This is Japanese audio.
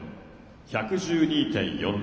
１１２．４０。